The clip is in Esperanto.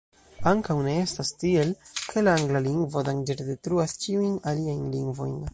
Ankaŭ ne estas tiel, ke la angla lingvo danĝere detruas ĉiujn aliajn lingvojn.